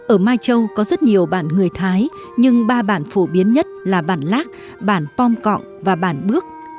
ở mai châu có rất nhiều bản người thái nhưng ba bản phổ biến nhất là bản lác bản pom cọng và bản bước